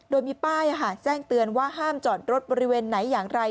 โดยมีป้ายแจ้งเตือนว่าห้ามจอดรถบริเวณไหนอย่างไร